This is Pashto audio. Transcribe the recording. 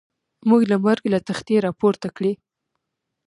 موږ له مرګ له تختې را پورته کړي.